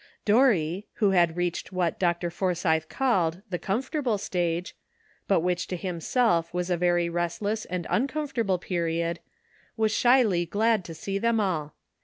Dorry, who had reached what Dr. Forsythe called '•'the comfortable stage," but which to himself was a very restless and uncomfortable period, was shyly glad to see them all.